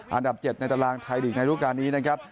อันดับ๗ในตารางไทยลีกในรูปการณ์นี้นะครับ